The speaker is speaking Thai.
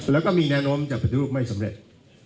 แล้วก็มีแนวโน้มจะปฏิรูปไม่สำเร็จ